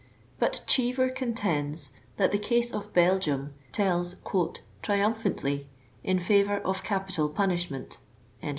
But Cheever contends thai the case of Belgium tells " triumphant ly in favor of Capital Punishment."